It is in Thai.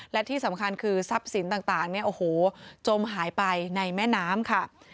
และที่สำคัญคือทรัพย์สินต่างเนี่ยโอ้โหจมหายไปในแม่น้ำค่ะ